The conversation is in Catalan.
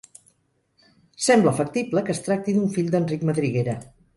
Sembla factible que es tracti d'un fill d'Enric Madriguera.